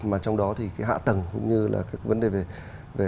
mà trong đó thì cái hạ tầng cũng như là các vấn đề về